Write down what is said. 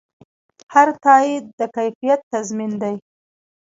هر تایید د کیفیت تضمین دی.